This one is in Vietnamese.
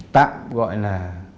tạm gọi là